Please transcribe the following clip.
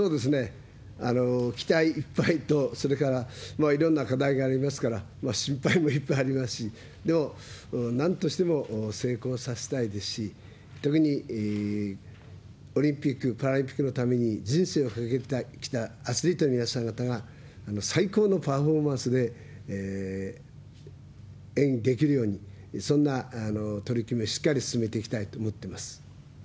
期待いっぱいと、それからいろんな課題がありますから、もう心配もいっぱいありますし、でも、なんとしても成功させたいですし、時に、オリンピック・パラリンピックのために人生を懸けてきたアスリートの皆さん方が最高のパフォーマンスで演技できるように、そんな取り組みをしっかり進めていきたいと思ってます。